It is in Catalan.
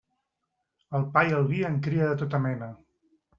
El pa i el vi en cria de tota mena.